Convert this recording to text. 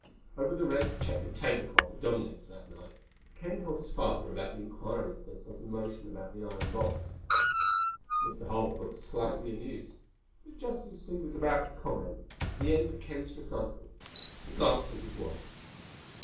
Over the red checkered tablecloth at Dominick's that night Ken told his father about the inquiries they had set in motion about the iron box. Mr. Holt looked slightly amused, but just as he was about to comment, at the end of Ken's recital, he glanced at his watch.